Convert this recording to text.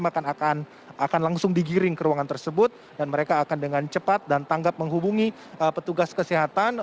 maka akan langsung digiring ke ruangan tersebut dan mereka akan dengan cepat dan tanggap menghubungi petugas kesehatan